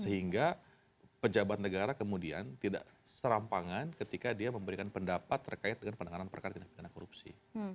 sehingga pejabat negara kemudian tidak serampangan ketika dia memberikan pendapat terkait dengan penanganan perkara tindak pidana korupsi